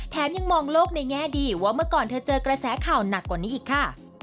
ยังมองโลกในแง่ดีว่าเมื่อก่อนเธอเจอกระแสข่าวหนักกว่านี้อีกค่ะ